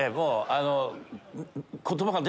あの。